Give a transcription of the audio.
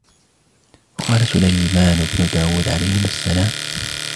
وَقَالَ سُلَيْمَانُ بْنُ دَاوُد عَلَيْهِمَا السَّلَامُ